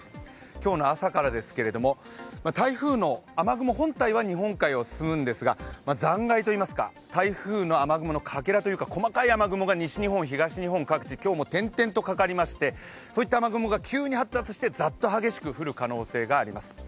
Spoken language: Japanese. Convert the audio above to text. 今日の朝からですけれども、台風の雨雲本体は進みますが残骸といいます、台風の雨雲のかけらといいますか、細かい雨雲が西日本、東日本各地、今日も点々とかかりましてそういった雨雲が急に発達して急にザッと降る可能性があります。